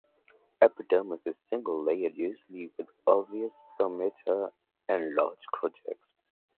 Epidermis is single layered usually with obvious stomata and large cortex.